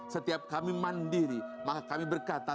setiap kami mandiri maka kami berkata